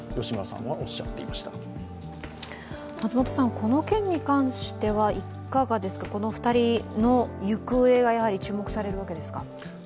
この件に関してはいかがですか、この２人の行方が注目されるわけですか。